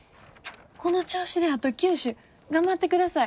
この調子であと９首頑張ってください。